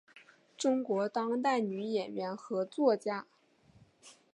中国当代女演员和作家。